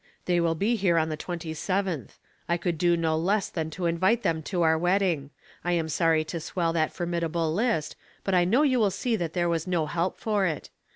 They will be here on the twenty seventh. I could do no less than to invite them to our wedding. I am sorry to swell that formidable list, but I know you will see that there was no help for it.